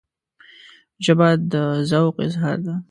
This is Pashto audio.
ژبه د ذوق اظهار ده